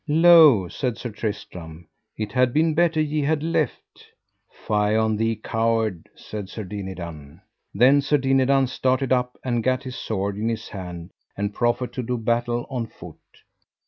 Lo, said Sir Tristram, it had been better ye had left. Fie on thee, coward, said Sir Dinadan. Then Sir Dinadan started up and gat his sword in his hand, and proffered to do battle on foot.